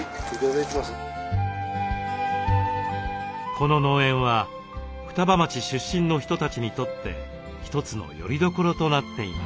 この農園は双葉町出身の人たちにとって一つのよりどころとなっています。